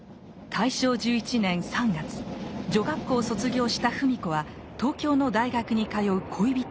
大正１１年３月女学校を卒業した芙美子は東京の大学に通う恋人を追って上京。